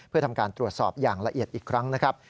เพื่อทำการตรวจสอบอย่างละเอียดอีกครั้งนะครับ